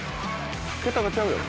桁がちゃうやん。